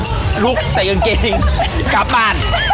หรือลูกใส่กางเกงก็ปาน